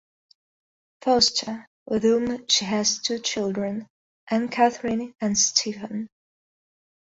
Foster, with whom she has two children, Anne-Catherine and Stephen.